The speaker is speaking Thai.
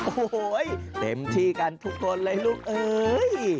โอ้โหเต็มที่กันทุกคนเลยลูกเอ้ย